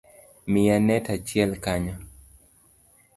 Miya net achiel kanyo